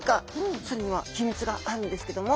それには秘密があるんですけども。